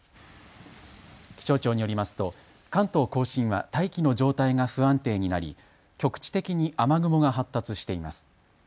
気象庁によりますと関東甲信は大気の状態が不安定になり局地的に雨雲が発達しています。